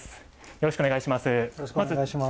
よろしくお願いします。